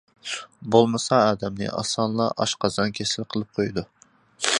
بولمىسا ئادەمنى ئاسانلا ئاشقازان كېسىلى قىلىپ قويىدۇ.